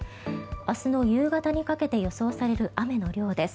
明日の夕方にかけて予想される雨の量です。